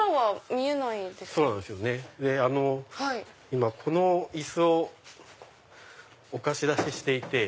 今この椅子をお貸し出ししていて。